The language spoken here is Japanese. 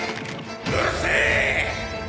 うるせえ！